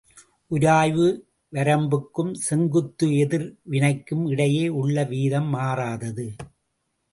உராய்வு வரம்புக்கும் செங்குத்து எதிர் வினைக்கும் இடையே உள்ள வீதம் மாறாதது.